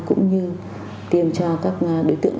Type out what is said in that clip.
cũng như tiêm cho các đối tượng